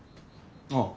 ああ。